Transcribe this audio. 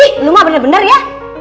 ih lu mah bener bener ya